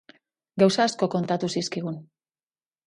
Gauza asko kontatu zizkigun.